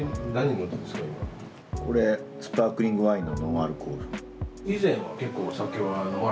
これスパークリングワインのノンアルコール。